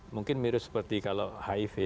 mungkin mirip seperti kalau hiv